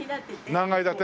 何階建て？